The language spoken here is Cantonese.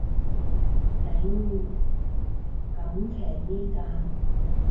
頂，咁騎呢嘅